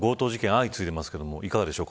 相次いでますけれどもいかがでしょう